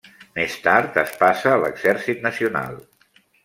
Més tard es passa a l'exèrcit nacional.